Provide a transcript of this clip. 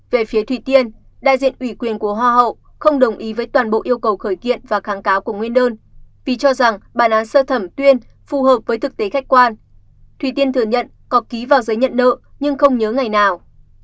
về phía thủy tiên đại diện ủy quyền của hoa hậu không đồng ý với toàn bộ yêu cầu khởi kiện và kháng cáo của nguyên đơn vì cho rằng bản án sơ thẩm tuyên phù hợp với thực tế khách quan thủy tiên thừa nhận có ký vào giấy nhận nợ nhưng không nhớ ngày nào